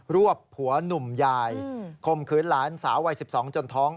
วบผัวหนุ่มยายคมขืนหลานสาววัย๑๒จนท้อง